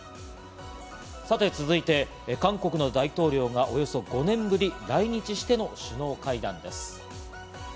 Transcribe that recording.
さて続いて韓国の大統領がおよそ５年ぶり、来日しての首脳会談です。